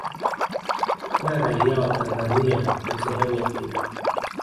kila raia wa tanzania ni sehemu ya taifa